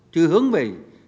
chứ hướng về